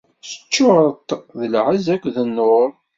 Teččureḍ-t d lɛezz akked nnuṛ.